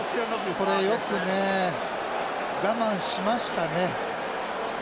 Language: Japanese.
これよくね我慢しましたね。